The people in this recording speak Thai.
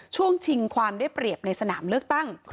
ช่วงชิงความได้เปรียบในสนามเลือกตั้ง